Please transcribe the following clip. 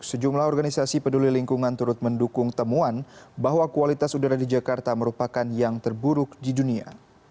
sejumlah organisasi peduli lingkungan turut mendukung temuan bahwa kualitas udara di jakarta merupakan yang terburuk di dunia